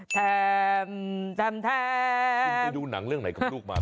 แทนคุณไปดูหนังเรื่องไหนกับลูกมา